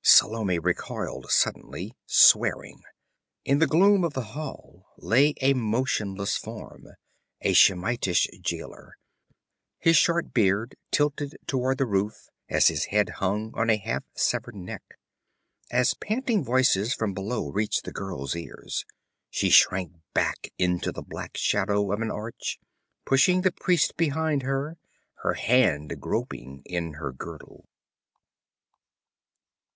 Salome recoiled suddenly, swearing. In the gloom of the hall lay a motionless form a Shemitish jailer, his short beard tilted toward the roof as his head hung on a half severed neck. As panting voices from below reached the girl's ears, she shrank back into the black shadow of an arch, pushing the priest behind her, her hand groping in her girdle.